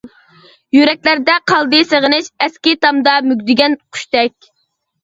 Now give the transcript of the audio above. يۈرەكلەردە قالدى سېغىنىش، ئەسكى تامدا مۈگدىگەن قۇشتەك.